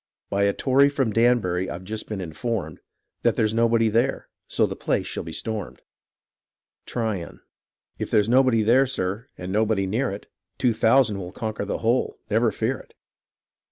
By a Tory from Danbury I've just been informed That there'' s nobody there, so the place shall be stornCd,'''' Tryon If there's nobody there, sir, and nobody near it. Two thousand will conquer the whole, never fear it.